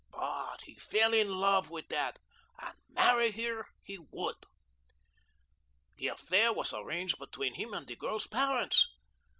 But he fell in love with that, and marry her he would. The affair was arranged between him and the girl's parents.